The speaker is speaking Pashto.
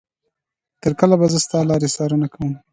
تر کله به زه ستا لارې څارنه.